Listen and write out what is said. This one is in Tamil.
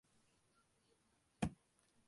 வெளியே சென்று கள்ளவிழ் கூந்தலாளைக் கண்டாள்.